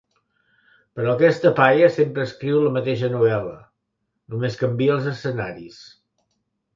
Però aquesta paia sempre escriu la mateixa novel·la, només canvia els escenaris.